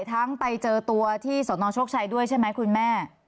ไปเจอตัวที่สนโชคชัยด้วยใช่ไหมคุณแม่